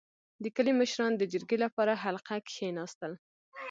• د کلي مشران د جرګې لپاره حلقه کښېناستل.